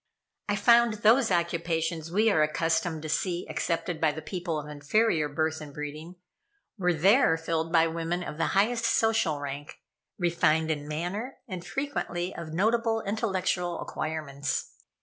I found those occupations we are accustomed to see accepted by the people of inferior birth and breeding, were there filled by women of the highest social rank, refined in manner and frequently of notable intellectual acquirements.